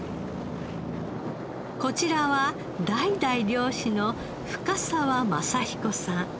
こちらは代々漁師の深澤正彦さん。